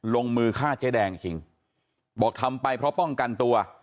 ลงมือฆ่าเจ๊แดงจริงบอกทำไปเพราะป้องกันตัว